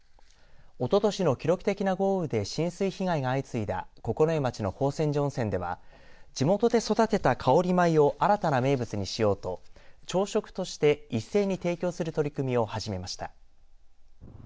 おととしの記録的な豪雨で浸水被害が相次いだ九重町の宝泉寺温泉では地元で育てた香り米を新たな名物にしようと朝食として一斉に提供する取り組みを始めました。